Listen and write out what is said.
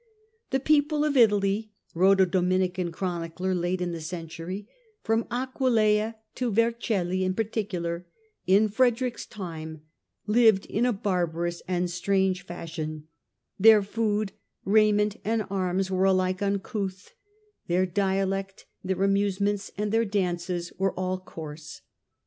" The people of Italy," wrote a Dominican chronicler late in the century, " from Aquileia to Vercelli in particular, in Frederick's time lived in a barbarous and strange fashion ; their food, raiment and arms were alike uncouth ; their dialect, their amuse ments, and their dances were all coarse.